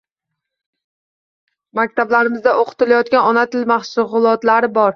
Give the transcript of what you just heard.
Maktablarimizda oʻqitilayotgan ona tili mashgʻulotlari bor